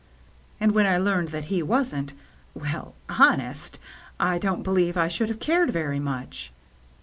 " And when I learned that he wasn't — well, honest, I don't believe I should have cared very much."